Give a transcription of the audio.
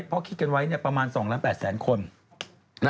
เพราะคิดกันไว้ประมาณ๒ล้าน๘แสนคน